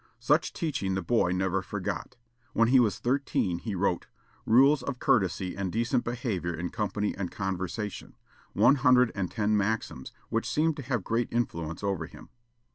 Such teaching the boy never forgot. When he was thirteen, he wrote "Rules of courtesy and decent behavior in company and conversation," one hundred and ten maxims, which seemed to have great influence over him.